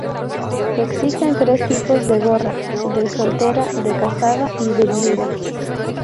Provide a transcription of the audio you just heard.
Existen tres tipos de gorra: de soltera, de casada y de viuda.